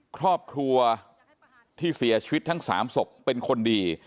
ครอบครัวที่เสียชีวิตทั้ง๓ศพเป็นคนดี